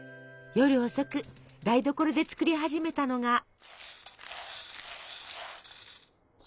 夜遅く台所で作り始めたのが。